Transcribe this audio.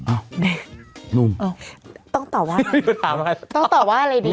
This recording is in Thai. อ้าวนุ่มต้องตอบว่าถามอะไรต้องตอบว่าอะไรดี